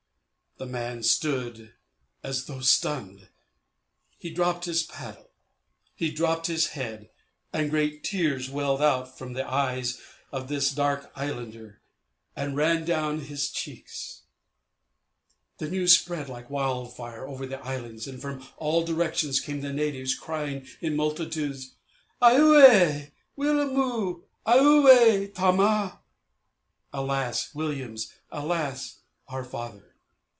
The man stood as though stunned. He dropped his paddle; he drooped his head, and great tears welled out from the eyes of this dark islander and ran down his cheeks. The news spread like wildfire over the islands, and from all directions came the natives crying in multitudes: "Aue, Williamu, Aue, Tama!" (Alas, Williams, Alas, our Father!)